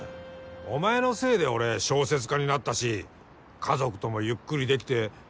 お前のせいで俺小説家になったし家族ともゆっくりできて。